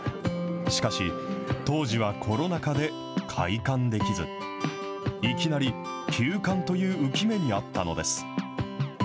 しかし、当時はコロナ禍で、開館できず、いきなり休館という憂き目にあったのです。